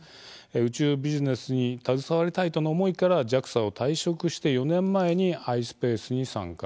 宇宙ビジネスに携わりたいとの思いからＪＡＸＡを退職して４年前にｉｓｐａｃｅに参加。